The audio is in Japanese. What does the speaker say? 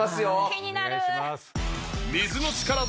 気になる！